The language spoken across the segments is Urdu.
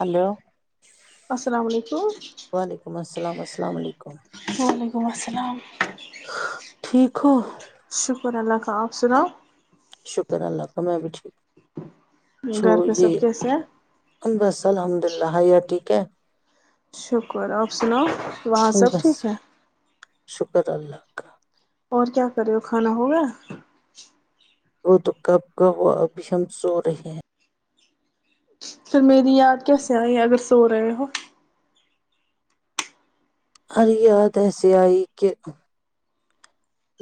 ہلو السلام علیکم السلامسلام علیکم ہو ولیکم السلام ٹھیک ہو شکر اللہ خا آپ سناؤ شکر اللہ کا میں بھی ٹھیک چھو گھر پہ یہ سب کیسے ہیں بس الحمد للہ ٹھیک ہے شکر آپ سناؤ وہاں سب ٹھیک ہے بد اللہ کا اور کیا کرے ہو کھانا ہوگا وہ تو کب کا وہ ابھی ہم سو رہے ہیں پھر میری یاد کیسے آئی ہے اگر سو رہے ہو ار یاد ایسے آئی کہ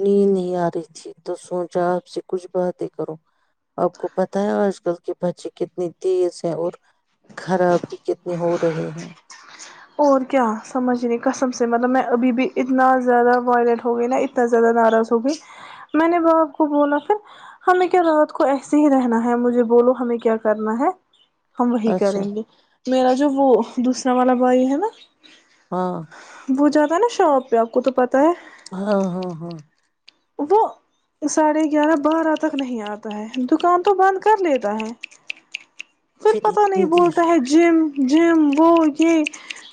نیند نہیں آ رہی تھی تو سوچا آپ سے کچھ باتیں کرو آپ کو پتا ہے آج کل کے بچے کتنی تیز ہیں اور خراب بھی کتنے ہو رہے ہیں اور کیا سمجھ نہیں کسم سے مطلب میں ابھی بھی اتنا زیادہ وائلینٹ ہو گئی نا اتنا زیادہ ناراض ہو گئی میں نے باپ کو بولا پھر ہمیں کیا رات کو ایسے ہی رہنا ہے مجھے بولو ہمیں کیا کرنا ہے ہم وہی اچھا کریں گے میرا جو وہ دوسرا والا بائی ہے [inaudible] ہاں وہ جاتا ہے نا شاپ پہ آپ کو تو پتہ ہے ہاں ہاں ہاں وہ ساڑھے گیارہ بارہ تک نہیں آتا ہے دکان تو بند کر لیتا ہے پھر پت نہیں اتنی دیر بولتا ہے جم جم وہ یہ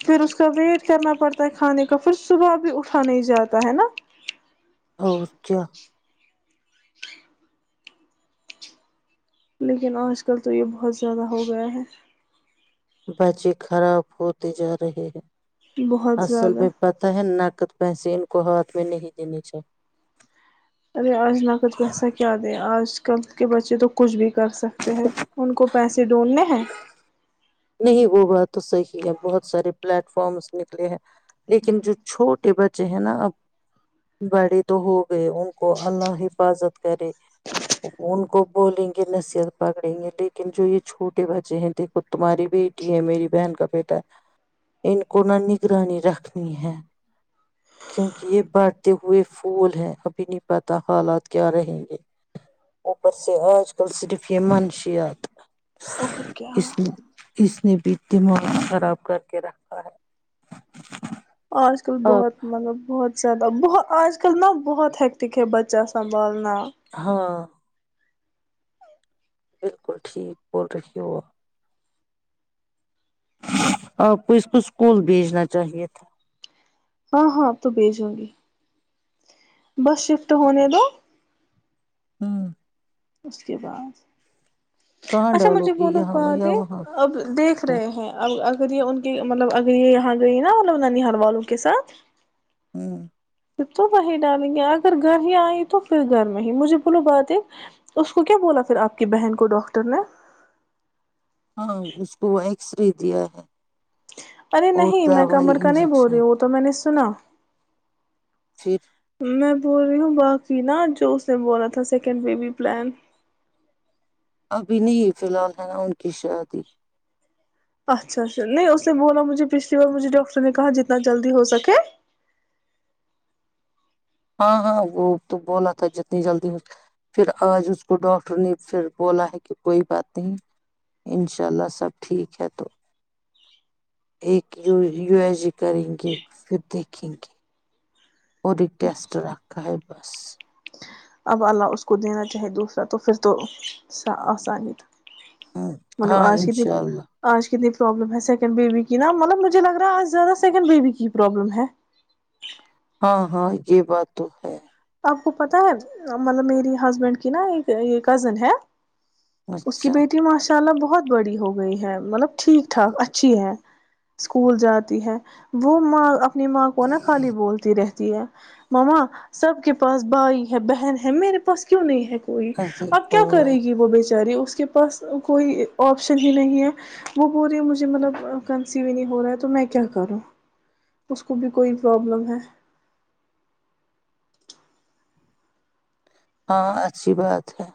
پھر اس کا ویٹ کرنا پڑتا ہے کھانے کا پھر صبح بھی اٹھا نہیں جاتا ہے نا اور کیا لیکن آج کل تو یہ بہت زیادہ ہو گیا ہے بچے خراب ہوتے جا رہے ہیں بہت اصل زیادہ بھی پتہ ہے ن پیسے ان کو ہاتھ میں نہیں دینے چ ارے آج لاقد ویسا کیا دیں آج کل کے بچے تو کچھ بھی کر سکتے ہیں ان کو پیسے ڈھونڈنے ہیں نہیں وہ بات تو صحیح ہے بہت سارے پلیٹ فارمس نکلے ہیں لیکن جو چھوٹے بچے ہیں نا اب بڑے تو ہوگئے ان کو اللہ حفاظت کرے ان کو بولیں گے نصیحت پکڑیں گے لیکن جو یہ چھوٹے بچے ہیں دیکھو تمہاری بیٹی ہے میری بہن کا بیٹا ان کو نہ نگرانی رکھنی ہے کیونکہ یہ بڑھتے ہوئے پھول ہے ابھی نہیں پتا حالات کیا رہیں گے اوپر سے آج کل صرف یہ منشیات توق ہے اس اس نے بھی دماغ خراب کر کے رکھا ہے آج کل آپ بہت مطلب بہت بہت آج کل نہ بہت ہییکٹک ہے بچہ آان بالنا ہاں بالکل ٹھیک بول رہی ہوا آپ کو اس کو اسکول بھیجنا چاہیے تھا ہاں ہاںب تو بھیجو گی بس شفٹ ہونے دو ہاں اس کے بعد کہاں اچھا ڈالو مجھے گی بولو یہاں بات یا وہاں یہ اب دیکھ رہے ہیں ا ا یہ ان کی مطلب اگر یہ یہاں گئی نا مطلب ننار والوں کے ساتھ ہاں پھر تو وہی ڈالیں گے اگر گھر ہی آئی تو پھر گھر میں ہی مجھے بولو بات ایک اس کو کیا بولا پھر آپ کی بہن کو ڈاکر اٹنا ہاں اس کو وہ ایکس رے دیا ہے ارے اور نہیں میں کمر دوائی کا نہیں بول رہی انجیکشن ہوں تو میں نے سنا پھر میں بول رہی ہوں باقی نا جو اس نے بولا تھا سیکنڈ بیبی پلان ابھی نہیں فی الحال ہے نا ان کی شادی اچھا اچھا نہیں اس نے بولا مجھے پچھلی بار مجھے ڈاکٹر نے کہا جتنا جلدی ہو سکے ہاں ہاں وہ تو بولا تھا جتنی جلدی پھر آج اس کو ڈاکٹر نے پھر بولا ہے کہ کوئی بات نہیں انشاء اللہ سب ٹھیک ہے تو ایک یو یو ایس جی کریں گے پھر دیکھیں گے اور ری گسٹ رکھا ہے بس اب اللہ اس کو دینا چاہے دوسرا تو پھر تو آسانی تھا ہوں، مطلب ہاں آج کی د انشاء اللہ آج کی د پرابلم ہے سیکنڈ بیبی کی نا مطلب مجھے لگ رہا آج زیادہ سیکنڈ بیبی کی پرابلم ہے ہاں ہاں یہ بات تو ہے آپ کو پتا ہے مطلب میری ہسبینڈ کی نا ایک یہ کزن ہے اس کی اچھا بیٹی ماشاء اللہ بت بہت بڑی ہو گئی ہے مطلب ٹھیک ٹھاک اچھی ہے اسکول جاتی ہے وہ ماں اپ نما کو نا خالی بولتی رہے ہے مما سب کے پاس بھائی ہے بہن ہے میرے پاس کیوں نہیں ہے ہوئی عظیم اب کیا کو کرے بھائی گی وہ بیچاری اس اس کے پاس کوئی آپشن ہی نہیں ہے وہ بی مجھے مطلب کنسیو نہیں ہو رہا ہے تو میں کیا کروں اس کو بھی کوئی پرابلم ہے ہاں اچھی بات ہے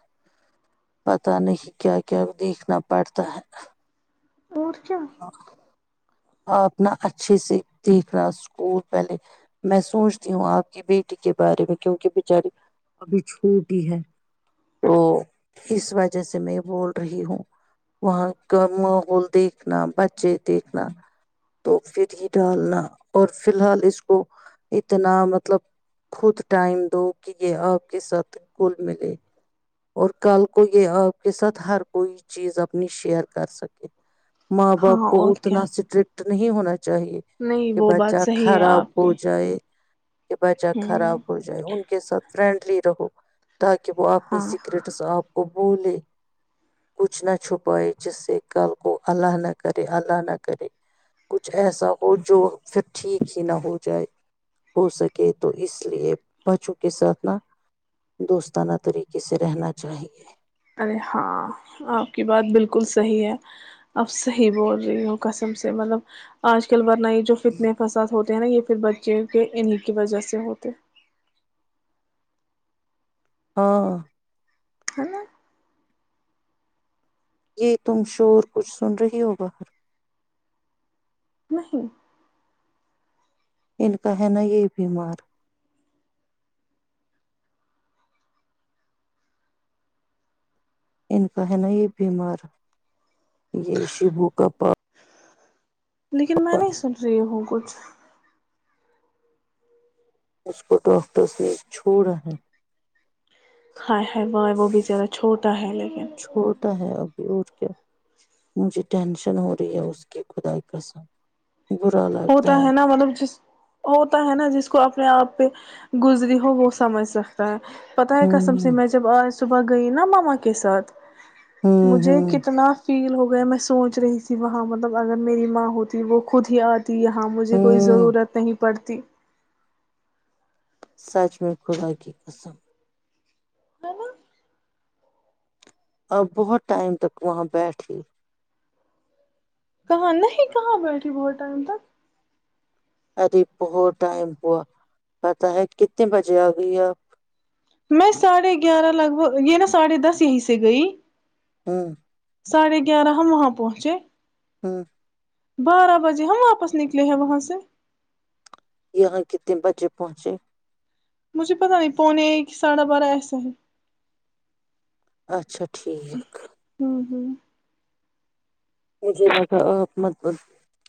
پتا نہیں کیا کیا دیکھنا پڑتا ہے مورچا اپنا اچھے سے دیکھناا اسکول پہلے میں سوچتی ہوں آپ کی بیٹی کے بارے میں کیونکہ بچاری ابھی چھوٹی ہے تو اس وجہ سے میں بول رہی ہوں وہاں کا ماحول دیکھ دیکھنا بچے دیکھنا تو پھر ہی ڈالنا اور فی الحال اس کو اتنا مطلب خود ٹائم دو کہ یہ آپ کے ساتھ گل ملے اور کل کو یہ آپ کے ساتھ ہر کوئی چیز اپنی شیئر کر سکے ماں ہاں باپ کو اور کیا اتنا اسٹرکٹ نہیں ہونا چ چاہ نہیں کہ ب وہ جا بات صحیح ہے خارااب آپ ہو کی جائے کہ بچہ ہ خراب ہو جائے کے ساتھ فرینڈلی رہو آک وہ آپمی ہاں آپ کو بولے کچھ نہ چھپائے جس سے کل کو اللہ نہ کرے اللہ نہ کرے کچھ ایسا ہو جو پھر ٹھیک ہی نہ ہو جائے ہو سکے تو اس لیے بچوں کے ساتھ نہ دوستانہ طریقے سے رہنا چاہیے ارے ہاں آپ کی بات بالکل صحیح ہے آپ صحیح بول رہی ہو کسم سے مطلب آج کل بات نہیں جو فتنے فساد ہوتے نا یہ پھر بچے کے انہیں کی وجہ سے ہوتے ہاں [unintelligible] ہ ن [unintelligible] یہ تم شور کچھ سن رہی ہو باہر نہیں ان کا ہے نا یہ بیمار ان کا ہے نا یہ بیمار یہ شیبو کا پا لیکن میں نہیں سن رہی ہوں کچھ اس کو ڈاکٹرس نے چھوڑا ہے ہائے ہائے بائے وہ بچارا چھوٹا ہے لیکن چھوٹا ہے ابھی اور کیا مجھے ٹینشن ہو رہی ہے اس کی خدائی کا ساتھ ہوتا ہے نا مطلب جس ہوتا ہے نا جس اس کو اپنے آپ پہ گزری ہو وہ سمجھ سکتا ہے پتہ ہی قسم س ہوں میں جب آج صبح گئی نا مما کے ساتھ ہوں مجھے ہوں کتنا فیل ہو گیا میں سوچ رہی تھی وہاں مطلب اگر میری ماں ہوتی وہ خود ہی آ ی ہاں مجھے کوئی ہوں ضرورت نہیں بڑھتی سچ میں خدا کی قسم ہ ن [unintelligible] ا بہت ٹائم تک وہاں بیٹھے کہاں نہیں کہاں بیٹھی بہت ٹائم تک ارے بہت ٹائم ہوا پتاہ ہے کتنے بجے آ گئی آپ میں ساڑھے گیارہ لگ بھگ یہ نا ساڑھے دس یہیں سے گئی ہوں [unintelligible] ساڑھے گیارہ ہم وہاں پہنچے ہاں [unintelligible] بارہ بجے ہم واپس نکلے ہیں وہاں سے یہاں کے تنے بچے پہنچے مجھے پتا نہیں پونے ایک ساڑھا بارہ ایسا ہے اچھاچ ٹھیک ہوں ہوں مجھے لگا آپ مت ب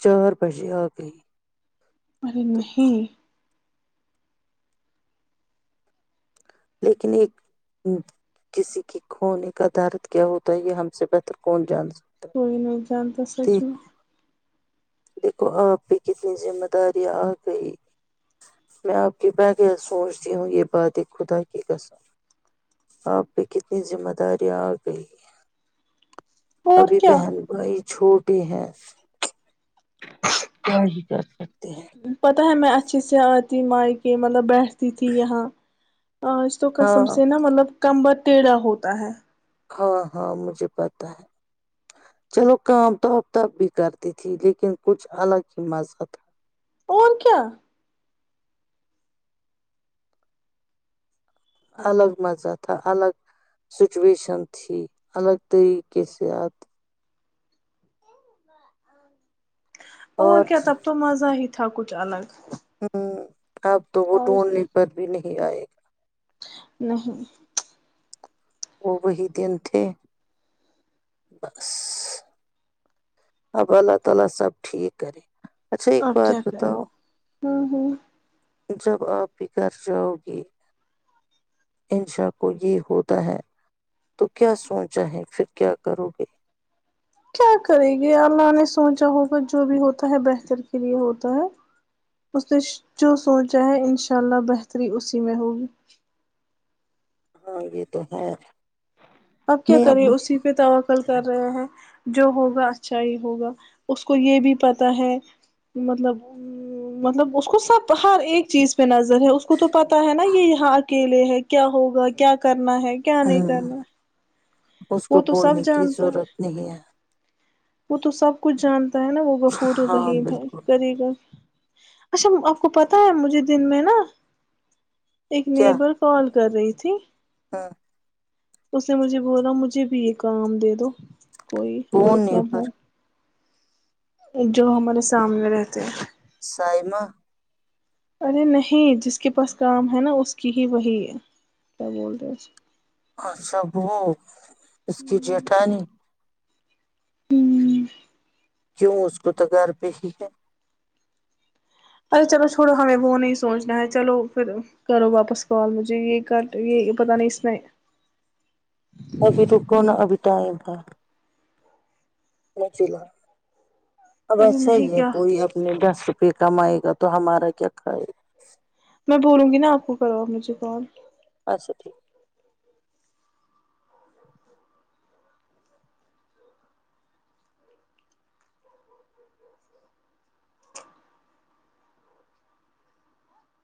چار بجے آ گئ ارے نہیں لیکن ایک کسی کی کوون ایک آدارت کیا ہوتا ہے یہ ہم سے بہتر کون جان سکتا ہے کوئی نہیں جانتا سچ میں دیکھ دیکھو آپ پہ کتنی ذمہ داریاں آ گئی میں آپ کے بغیر سوچتی ہوں یہ باتیں خدا کے قسم آپ پہ کتنی ذمہ داریاں آ گئی اور ابھی کیا بہن بھائی چھوٹی ہیں کیا ہی کر سکتے ہیں پت ہوتا میں اچھی سے آتی مائ کے مطلب بیٹھ تی تھی یہاں آ اس تق قسم ہاں سے نا مطلب کمبر ٹیڑھا ہوتا ہے ہاں ہاں مجھے پتا ہے چلو کام تواپ تاپ بھی کرتی تھی لیکن کچھ الگ ہی مزہ تھا اور کیا الگ مزہ تھا الگ سچویشن تھی الگ طریقے سےات [inaudible] اور کیا تب تو مزہ آ ہی تھا تھا کوچھ الگ ہاں اب تو وہ اور ڈھونڈنے پر بھی نہیں آئے گا نہیں وہ وہی دن تھے بس اب اللہ تعالی سب ٹھیک کرے اچھا ایک بات بتاؤ ہاں ہاں جب آپ بکر جاؤ گے ان شاہ کو یہ ہوتا ہے تو کیا سوچا ہے پھر کیا کرو گے کیا کرے گے اللہ نے سوچا ہوگا جو بھی ہوتا ہے بہتر کے لیے ہوتا ہے اس نے جو سوچا ہے انشاء اللہ بہتری اسی میں ہوگی ہاں یہ تو ہے اب کیا کریں اسی پہ دوا کر کے کر رہے ہیں جو ہوگا اچھا ہی ہوگا اس کو یہ بھی پتا ہے مطلب مطلب اس کو سب ہر ایک چیز پہ نظر ہے اس کو تو پتا ہے نا یہ یہاں اکیلے ہے کیا ہوگا کیا کر کرنا ہے کیا نہیں ہم، کرنا اس کو وہ تو سب بولنے کی جانتا ہے ضرورت نہیں ہے وہ تو سب کچھ جان ہے نا وہ غفور ہاں الرحیم ہے بالکل کری گ اچھا آپ کو پتہ ہے مجھے دن میں نا ایک کیا نیبر کال کر رہی تھی ہاں اس نے مجھے بولا مجھے مجھے بھی ایک کا آم دے دو کوئی کون ورک فرم ہو نیبر جو ہمارے سامنے رہتے ہیں سیمہ ارے نہیں جس کے پاس کام ہے نا اس کی ہی وہی کیا بول رہے اچ س ب اس کی جٹھانی ہوں کیوں اس کو تگار پہ ہی ہے؟ ارے چلو چھوڑو ہمیں وہ نہیں سوچنا ہے چلو پھر کرو واپس کال مجھے یہ کر یہ پتا نہیں اس میں ابھی ر کو ن ابٹا تھا مچ ل اب ارے ایسا ہی نہیں ہے کیا کوئی اپنے ڈر پہ کم آئے گا تو ہمارا کیا کھائے گا میں بولوں گی نا آپ کو کروا مجھے کال اچھا ٹھیک ہے